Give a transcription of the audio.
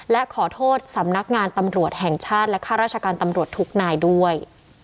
และขอโทษสำนักงานตำรวจแห่งชาติและข้าราชการตำรวจทุกนายด้วย